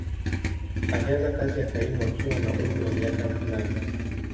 Alianza kazi ya kaimu akiwa na umri wa miaka nane.